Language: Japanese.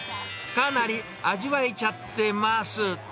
かなり味わえちゃってます。